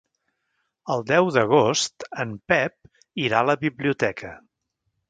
El deu d'agost en Pep irà a la biblioteca.